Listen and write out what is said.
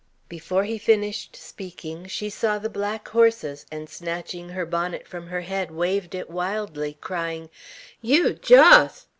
Before he finished speaking, she saw the black horses, and snatching her bonnet from her head waved it wildly, crying, "Yeow Jos!